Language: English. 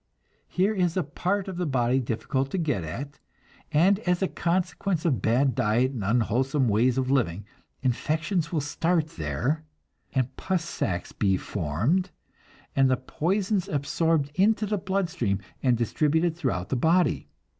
Here is a part of the body difficult to get at, and as a consequence of bad diet and unwholesome ways of living, infections will start there, and pus sacs be formed, and the poisons absorbed into the blood stream and distributed through the body.